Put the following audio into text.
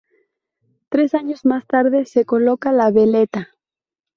Tres años más tarde se coloca la veleta.